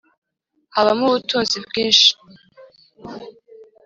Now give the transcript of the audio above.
Habamo ubutunzi bwinshi